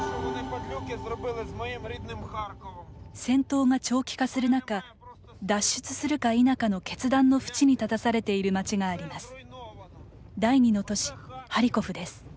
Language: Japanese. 戦闘が長期化する中脱出するか否かの決断のふちに立たされている街があります。